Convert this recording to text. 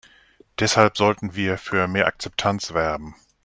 Deshalb sollten wir für mehr Akzeptanz werben.